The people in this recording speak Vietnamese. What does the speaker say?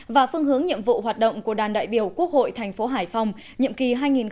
và phương hướng nhiệm vụ hoạt động của đoàn đại biểu quốc hội tp hải phòng nhiệm kỳ hai nghìn một mươi sáu hai nghìn hai mươi một